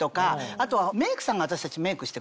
あとはメイクさんが私たちメイクしてくれる。